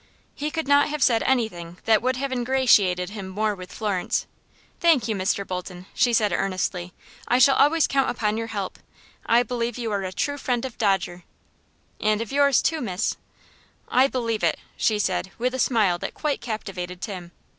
He could not have said anything that would have ingratiated him more with Florence. "Thank you, Mr. Bolton," she said, earnestly. "I shall always count upon your help. I believe you are a true friend of Dodger " "And of yours, too, miss " "I believe it," she said, with a smile that quite captivated Tim.